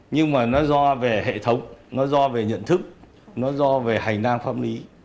nhưng mà nó do về hệ thống nó do về nhận thức nó do về hành lang pháp lý